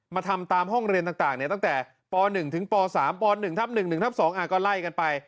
ทำตามห้องเรียนต่างตั้งแต่ป๑ถึงป๓ป๑ทับ๑๑ทับ๒ก็ไล่กันไป